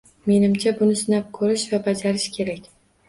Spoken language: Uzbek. Menimcha, buni sinab koʻrish va bajarish kerak.